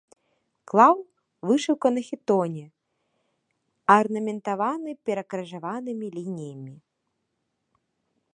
Клаў, вышыўка на хітоне, арнаментаваны перакрыжаванымі лініямі.